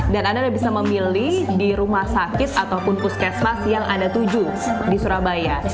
dan anda bisa memilih di rumah sakit ataupun puskesmas yang anda tuju di surabaya